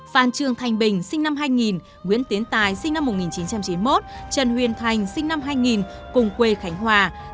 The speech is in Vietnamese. phan trương thanh bình sinh năm hai nghìn nguyễn tiến tài sinh năm một nghìn chín trăm chín mươi một trần huyền thành sinh năm hai nghìn cùng quê khánh hòa